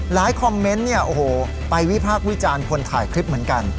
คอมเมนต์เนี่ยโอ้โหไปวิพากษ์วิจารณ์คนถ่ายคลิปเหมือนกัน